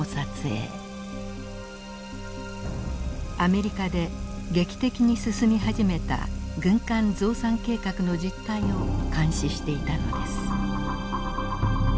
アメリカで劇的に進み始めた軍艦増産計画の実態を監視していたのです。